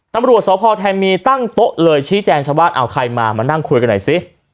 ตำรวจสพแทนมีตั้งโต๊ะเลยชี้แจงชาวบ้านเอาใครมามานั่งคุยกันหน่อยสิ